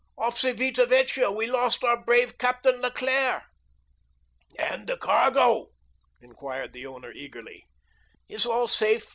Off Civita Vecchia we lost our brave Captain Leclere." "And the cargo?" inquired the owner, eagerly. "Is all safe, M.